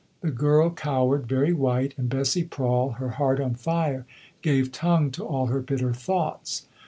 The girl cowered, very white, and Bessie Prawle, her heart on fire, gave tongue to all her bitter thoughts.